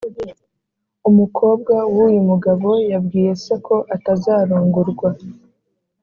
umukobwa w’uyu mugabo yabwiye se ko atazarongorwa